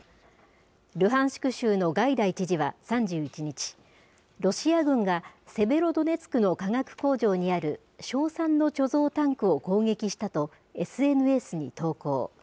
ルハンシク州のガイダイ知事は３１日、ロシア軍がセベロドネツクの化学工場にある硝酸の貯蔵タンクを攻撃したと、ＳＮＳに投稿。